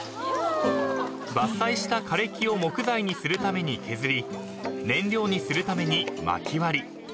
［伐採した枯れ木を木材にするために削り燃料にするためにまき割り］